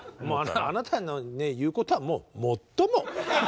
あなたの言うことはもうもっとも！